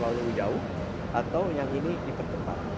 atau terlalu jauh atau yang ini diperkepar